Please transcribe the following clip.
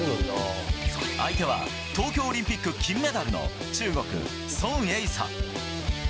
相手は、東京オリンピック金メダルの中国、孫穎莎。